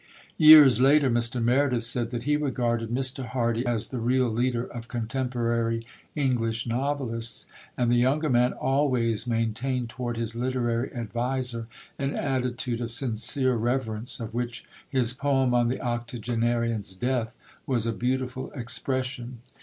Years later Mr. Meredith said that he regarded Mr. Hardy as the real leader of contemporary English novelists; and the younger man always maintained toward his literary adviser an attitude of sincere reverence, of which his poem on the octogenarian's death was a beautiful expression.